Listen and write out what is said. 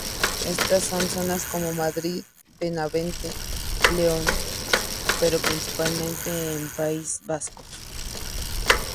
Estas son zonas como Madrid, Benavente, León, pero principalmente el País Vasco.